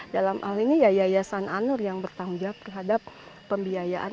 dalam hal ini ya yayasan anur yang bertanggung jawab terhadap pembiayaan